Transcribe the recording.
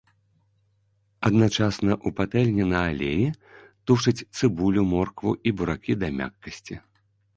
Адначасна ў патэльні на алеі тушаць цыбулю, моркву і буракі да мяккасці.